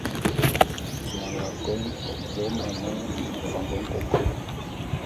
Nnanga kôn ve mane fombô nkôkon.